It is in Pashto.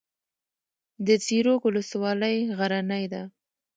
د زیروک ولسوالۍ غرنۍ ده